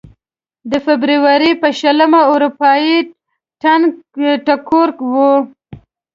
د فبروري په شلمه اروپايي ټنګ ټکور و.